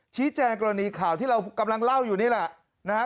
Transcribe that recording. แจ้งกรณีข่าวที่เรากำลังเล่าอยู่นี่แหละนะฮะ